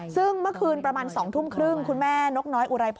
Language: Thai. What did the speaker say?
ซึ่งเมื่อคืนประมาณ๒ทุ่มครึ่งคุณแม่นกน้อยอุไรพร